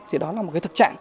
thì đó là một cái thực trạng